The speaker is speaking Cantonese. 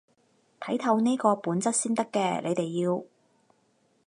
睇透呢個本質先得嘅，你哋要